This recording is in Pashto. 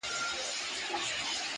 شپه ده تياره ده خلک گورې مه ځه